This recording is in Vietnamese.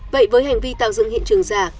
vậy với hành vi tạo dựng hiện trường giả